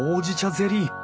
ゼリー！